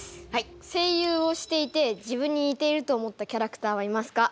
声優をしていて自分ににていると思ったキャラクターはいますか？